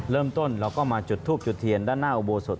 เริ่มต้นเราก็มาจุดทูบจุดเทียนด้านหน้าอุโบสถ